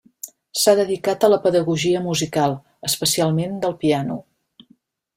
S'ha dedicat a la pedagogia musical, especialment del piano.